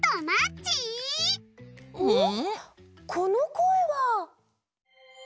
このこえは。